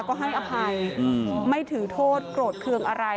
ก็ให้อภัยไม่ถือโทษโกรธเครื่องอะไร